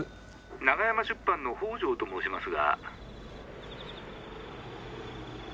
☎長山出版の北條と申しますが。